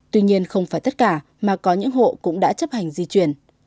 tuy nhiên không phải tất cả mà có những hộ cũng đã chấp hành di chuyển